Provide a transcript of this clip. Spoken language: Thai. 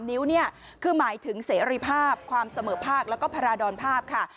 นิ้วเนี่ยคือหมายถึงเสรีภาพความเสมอภาคแล้วก็พาราดรภาพค่ะ